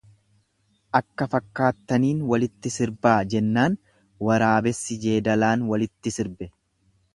Akka fakkaattaniin walitti sirbaa jennaan waraabessi jeedalaan walitti sirbe.